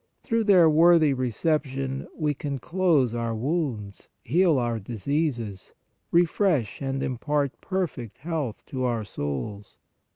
Through their worthy reception we can close our wounds, heal our diseases, refresh and impart per fect health to our souls.